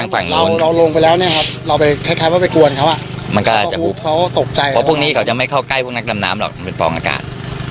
พอพวกนี้เขาจะไม่เข้าใกล้พวกนักดำน้ำหรอกเป็นพร้อมอากาศ